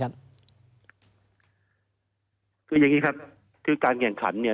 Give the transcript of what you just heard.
ครับ๐อย่างงี้ครับการแข่งขันเนี่ย